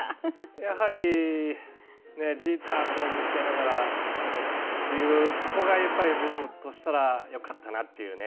やはりね「Ｊｅｔｅｒと向き合いながらＯｋｅｙ‐Ｄｏｋｅｙ」っていうここがやっぱり僕としたらよかったなっていうね。